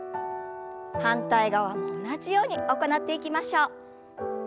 反対側も同じように行っていきましょう。